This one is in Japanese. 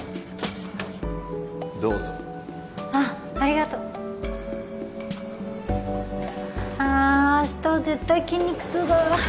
どうぞあっありがとうあー明日は絶対筋肉痛だですね